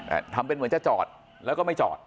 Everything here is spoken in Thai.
ทำเป็นเหมือนจะจอดแล้วก็ไม่จอด